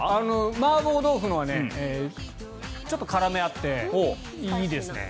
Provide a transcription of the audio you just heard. マーボー豆腐のほうはちょっと辛味があっていいですね。